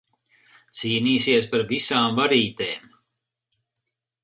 Cīnīsies par visām varītēm.